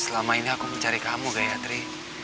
selama ini aku mencari kamu gayatri